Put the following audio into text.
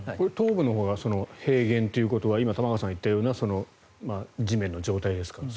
東部のほうが平原ということは今、玉川さんが言ったような地面の状態ですか